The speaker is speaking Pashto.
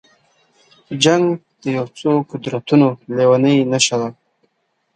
جنګ د یو څو قدرتونو لېونۍ نشه ده.